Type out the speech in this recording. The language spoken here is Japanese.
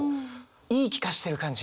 言い聞かしてる感じ。